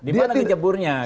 di mana geburnya gitu kan